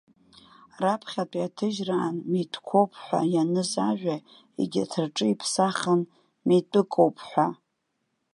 Раԥхьатәи аҭыжьраан митәқәоуп ҳәа ианыз ажәа, егьырҭ рҿы иԥсахын митәыкоуп ҳәа.